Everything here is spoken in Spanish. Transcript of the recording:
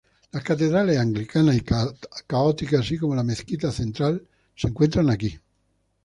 Las catedrales anglicana y católica, así como la Mezquita Central se encuentran aquí.